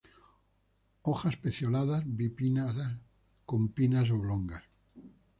Hojas pecioladas, bi-pinnadas, con pinnas oblongas.